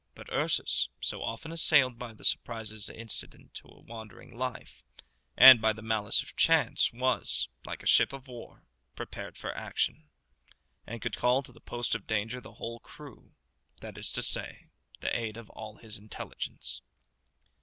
But Ursus, so often assailed by the surprises incident to a wandering life, and by the malice of chance, was, like a ship of war, prepared for action, and could call to the post of danger the whole crew that is to say, the aid of all his intelligence.